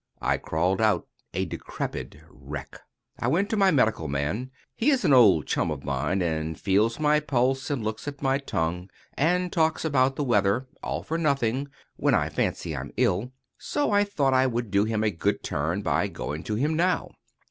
I crawled out a decrepit wreck. I went to my medical man. He is an old chum of mine, and feels my pulse, and looks at my tongue, and talks about the weather, all for nothing, when I fancy I'm ill; so I thought I would do him a good turn by going to him now.